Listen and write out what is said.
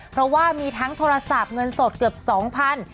เพราะว่ามีทั้งโทรศัพท์เงินสดเกือบ๒๐๐บาท